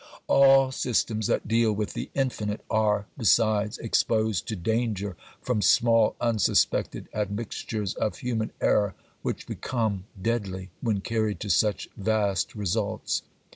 All systems that deal with the infinite are, besides, exposed to danger from small, unsuspected admixtures of human error, which become deadly when carried to such vast results.